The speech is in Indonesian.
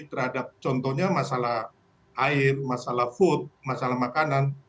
terhadap contohnya masalah air masalah food masalah makanan